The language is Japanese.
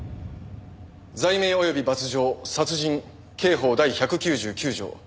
罪名及び罰条殺人刑法第１９９条。